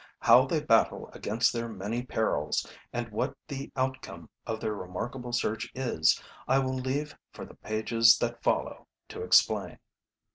How they battle against their many perils, and what the outcome of their remarkable search is, I will leave for the pages that follow to explain.